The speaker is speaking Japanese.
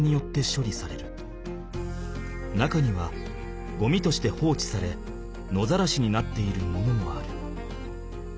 中にはゴミとして放置され野ざらしになっているものもある。